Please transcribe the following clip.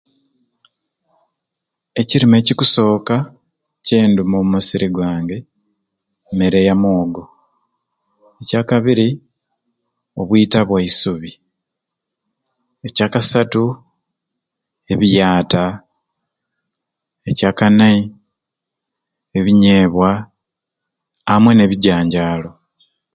Ekirime ekikusooka kyenduma omusiri gwange meere yamwoogo, ekyakabiri obwiita bwaisubi, ekyakasaatu ebiyata, ekyakanai ebinyebwa amwei nebijanjalo.